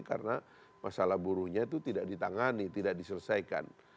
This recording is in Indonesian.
karena masalah buruhnya itu tidak ditangani tidak diselesaikan